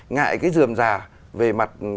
ngại cái dườm giả về mặt